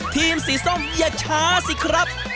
ทีมสีส้มอย่าช้าสิครับ